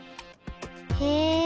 へえ！